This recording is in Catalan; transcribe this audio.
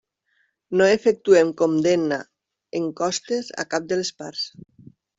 No efectuem condemna en costes a cap de les parts.